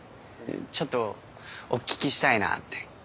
ちょっとお聞きしたいなぁって。